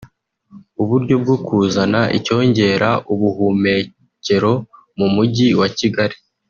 uburyo bwo kuzana icyongera ubuhumekero mu mujyi wa Kigali